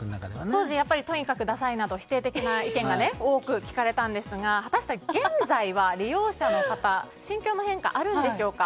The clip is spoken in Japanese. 当時、とにかくダサいなど否定的な意見が多く聞かれたんですが果たして、現在は利用者の方心境の変化はあるんでしょうか。